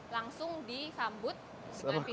langsung disambut dengan pilihan cake